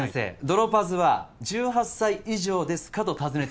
ドロパズは「１８歳以上ですか？」と尋ねています